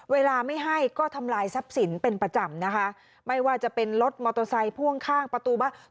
เวลาไม่ให้ก็ทำลายทรัพย์สินเป็นประจำนะคะไม่ว่าจะเป็นรถมอเตอร์ไซค์พ่วงข้างประตูบ้าน